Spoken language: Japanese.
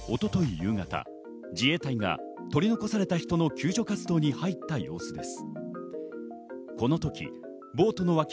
夕方、自衛隊が取り残された人の救助活動に入った様子です。